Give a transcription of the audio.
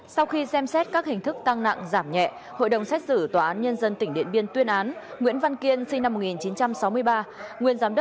sau khi xem xét các hình thức tăng nặng giảm nhẹ hội đồng xét xử tòa án nhân dân tỉnh điện biên tuyên án nguyễn văn kiên sinh năm một nghìn chín trăm sáu mươi ba nguyên giám đốc